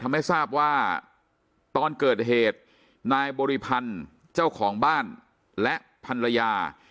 ทำให้ทราบว่าตอนเกิดเหตุนายบริพันธ์เจ้าของบ้านและภรรยา